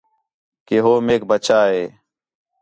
کہ ہو میک بَچا ہِے